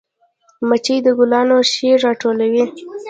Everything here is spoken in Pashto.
مچۍ د ګلانو شیره راټولوي